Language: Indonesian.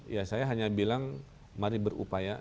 ya saya hanya bilang mari berupaya